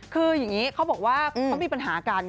คืออย่างนี้เขาบอกว่าเขามีปัญหากัน